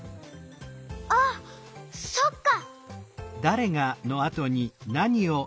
あっそっか！